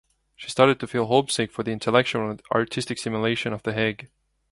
She started to feel homesick for the intellectual and artistic stimulation of The Hague.